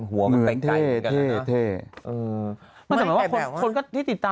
เหมือนพ่อนะ